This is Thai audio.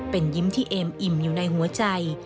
เป็นยิ้มที่เอ็มอิ่มอยู่ในหัวใจ